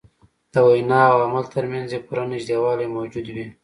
د وینا او عمل تر منځ یې پوره نژدېوالی موجود وي.